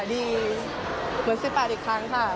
ดีเหมือนโซป่าลอีกครั้งค่ะ